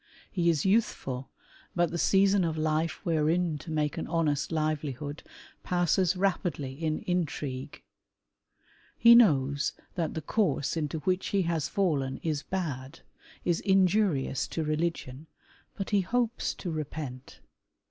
He is youthful, but the season of life wherein to make an honest livelihood passes rapidly in intrigue. He knows that the course into which he has Mien is bad, is injurious to religion, but he hopes to repent.